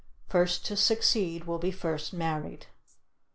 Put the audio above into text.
First to succeed will be first married.